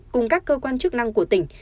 cùng các cơ quan chức năng của tỉnh